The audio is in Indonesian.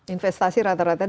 investasi rata rata dari